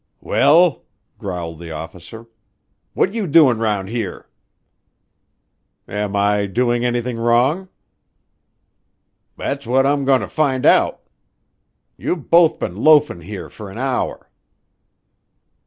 "Well," growled the officer, "what you doin' round here?" "Am I doing anything wrong?" "That's wot I'm goneter find out. Yer've both been loafin' here fer an hour."